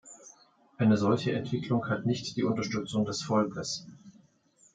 Eine solche Entwicklung hat nicht die Unterstützung des Volkes.